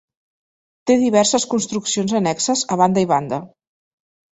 Té diverses construccions annexes a banda i banda.